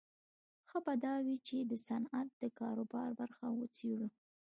ښه به دا وي چې د صنعت د کاروبار برخه وڅېړو